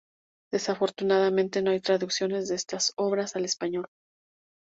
Desafortunadamente no hay traducciones de estas obras al español.